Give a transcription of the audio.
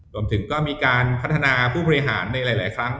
รวมถึงก็มีการพัฒนาผู้บริหารในหลายครั้ง